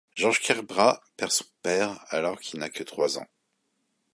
Georges Kerbrat perd son père alors qu'il n'a que trois ans.